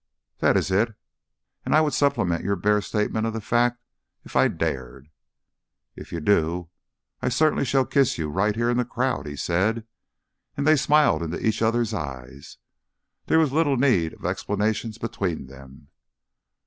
"That is it. And I would supplement your bare statement of the fact, if I dared." "If you do, I certainly shall kiss you right here in the crowd," he said, and they smiled into each other's eyes. There was little need of explanations between them.